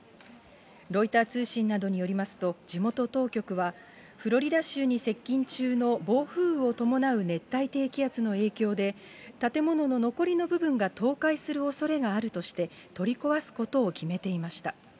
ロイター通信などによりますと、地元当局は、フロリダ州に接近中の暴風雨を伴う熱帯低気圧の影響で、建物の残りの部分が倒壊するおそれがあるとして、取り壊すことを決めていました。